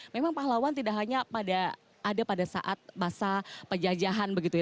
memang pahlawan tidak hanya ada pada saat masa penjajahan begitu ya